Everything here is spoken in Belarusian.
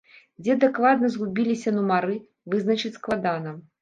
Дзе дакладна згубіліся нумары, вызначыць складана.